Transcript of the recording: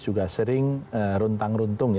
juga sering runtang runtung